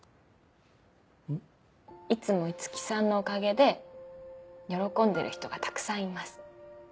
いつも五木さんのおかげで喜んでる人がたくさんいます。